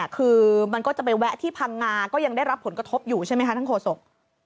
คือมันก็จะไปแวะที่พังงาก็ยังได้รับผลกระทบอยู่ใช่ไหมคะท่านโฆษก